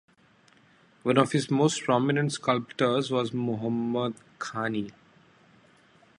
One of his most prominent sculptors was Muhammad Ghani.